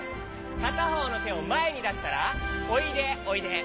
かたほうのてをまえにだしたら「おいでおいで」。